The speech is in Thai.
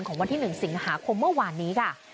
วันที่๑สิงหาคมเมื่อวานนี้ค่ะ